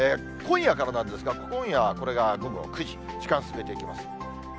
今夜からなんですが、今夜、これが午後９時、時間進めていきます。